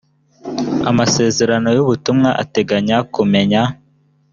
amasezerano y ubutumwa ateganya kumenya